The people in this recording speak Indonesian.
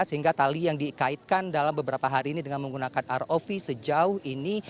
sehingga tali yang dikaitkan dalam beberapa hari ini dengan menggunakan rov sejauh ini